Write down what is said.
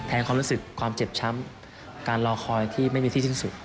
ความรู้สึกความเจ็บช้ำการรอคอยที่ไม่มีที่สิ้นสุด